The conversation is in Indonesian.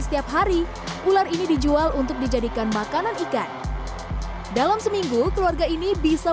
setiap hari ular ini dijual untuk dijadikan makanan ikan dalam seminggu keluarga ini bisa